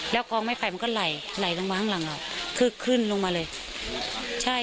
แล้วกองไม้ไผ่มันก็ไหลไหลลงมาข้างหลังเราคือขึ้นลงมาเลยใช่